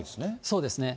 そうですね。